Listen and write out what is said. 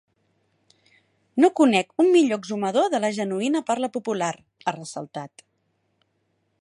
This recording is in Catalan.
“No conec un millor exhumador de la genuïna parla popular”, ha ressaltat.